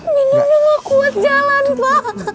minumnya mah kuat jalan pa